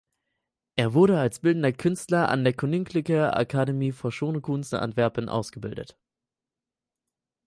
Er wurde als bildender Künstler an der Koninklijke Academie voor Schone Kunsten Antwerpen ausgebildet.